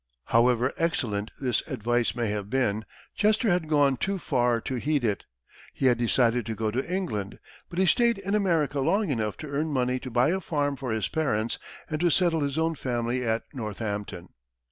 However excellent this advice may have been, Chester had gone too far to heed it. He had decided to go to England, but he stayed in America long enough to earn money to buy a farm for his parents and to settle his own family at Northampton.